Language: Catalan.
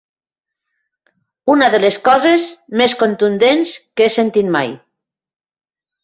Una de les coses més contundents que he sentit mai.